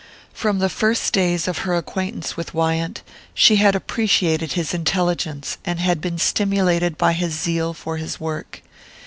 From the first days of her acquaintance with Wyant she had appreciated his intelligence and had been stimulated by his zeal for his work.